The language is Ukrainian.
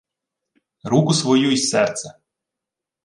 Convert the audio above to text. — Руку свою й серце.